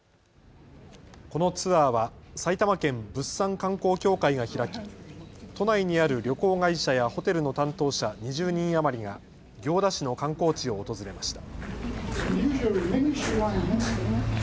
このツアーは埼玉県物産観光協会が開き都内にある旅行会社やホテルの担当者２０人余りが行田市の観光地を訪れました。